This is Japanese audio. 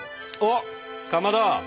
おっかまど！